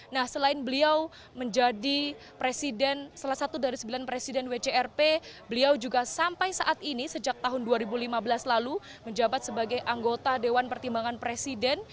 nah selain beliau menjadi presiden salah satu dari sembilan presiden wcrp beliau juga sampai saat ini sejak tahun dua ribu lima belas lalu menjabat sebagai anggota dewan pertimbangan presiden